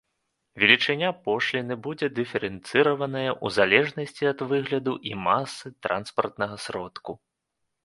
Велічыня пошліны будзе дыферэнцыраваная ў залежнасці ад выгляду і масы транспартнага сродку.